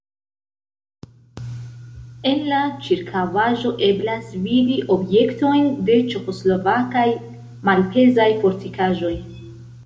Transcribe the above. En la ĉirkaŭaĵo eblas vidi objektojn de ĉeĥoslovakaj malpezaj fortikaĵoj.